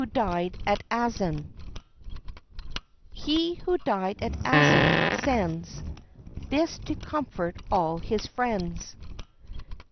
_He who died at Azan sends This to comfort all his friends.